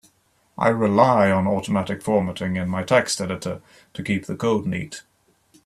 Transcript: I rely on automatic formatting in my text editor to keep the code neat.